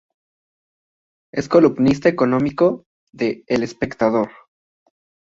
Es columnista económico de "El Espectador".